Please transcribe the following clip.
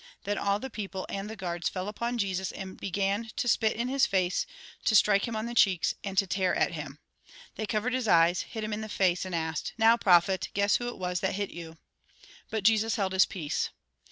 Then all the people, and the guards, fell upon Jesus, and began to spit in his face, to strike him on the cheeks, and to tear at him. They covered his eyes, hit him in the face, and asked: "Now, prophet, guess who it was that hit you ?" But Jesus held his peace.